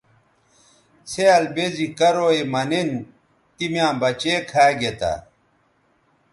څھیال بے زی کرو یے مہ نِن تی میاں بچے کھا گے تھے